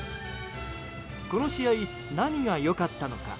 この試合、何が良かったのか。